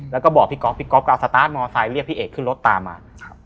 แล้วก็บอกพี่ก๊อปการ์ลสตาร์ทมอเซอร์ไซค์เรียกพี่เอกขึ้นรถตามมา